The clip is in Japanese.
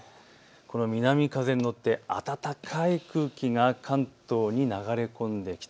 この南風によって暖かい空気が関東に流れ込んでくる。